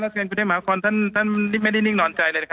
ท่านพูดว่าท่านไม่ได้นิ่งนอนใจเลยนะคะ